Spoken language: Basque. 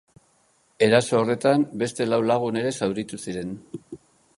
Eraso horretan, beste lau lagun ere zauritu ziren.